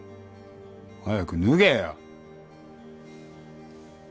早く脱げよ！